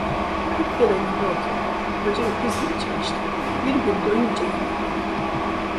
Kırk yıl evinde oturdum, koca öküz gibi çalıştım, bir gün doyunca yemek yemedim…